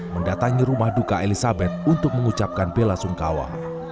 mendatangi rumah duka elizabeth untuk mengucapkan bela sungkawa